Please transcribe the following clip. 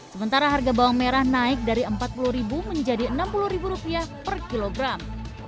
sementara harga bawang merah naik dari rp empat puluh menjadi rp enam puluh per kilogram